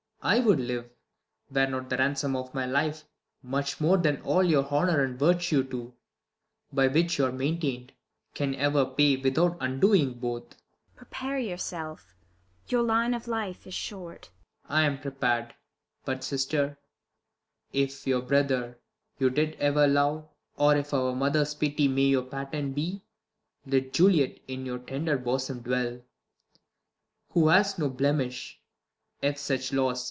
I would live, Were not the ransom of my life much more Than all your honour and your virtue too, By which you are maintain'd, can ever pay, Without undoing both. ISAB. Prepare j^our self ! your line of life is short. Claud. I am prepar'd : but sister, if Your brother you did ever love ; or if Our mother's pity may your pattern be, Let Juliet in your tender bosom dwell ; Who has no blemish, if such laws.